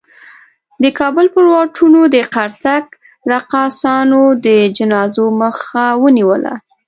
د کابل پر واټونو د قرصک رقاصانو د جنازو مخه ونیوله.